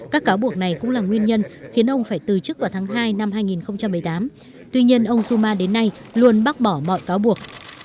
các cáo buộc này cũng là nguyên nhân khiến ông phải từ chức vào tháng hai năm hai nghìn một mươi tám tuy nhiên ông duma đến nay luôn bác bỏ mọi cáo buộc